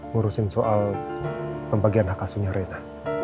ngurusin soal pembagian hak aslinya rena